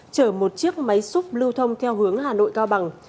chở một chiếc máy xúc lưu thông theo hướng hà nội cao bằng